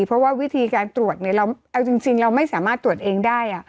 เพราะว่าวิธีการตรวจเอาจริงเราไม่สามารถตรวจเองได้